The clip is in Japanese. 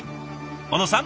小野さん